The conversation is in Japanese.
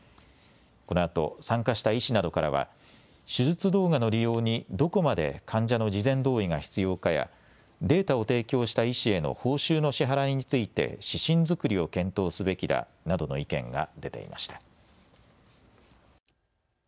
このあと参加した医師などからは手術動画の利用にどこまで患者の事前同意が必要かやデータを提供した医師への報酬の支払いについて指針作りを検討すべきだなどの意見が出ていました。